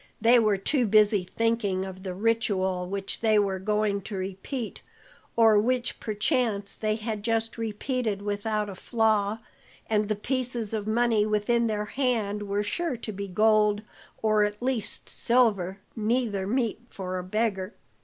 They were too busy thinking of the ritual which they were going to repeat, or which perchance they had just repeated without a flaw; and the pieces of money within their hand were sure to be gold, or at least silver, neither meet for a beggar.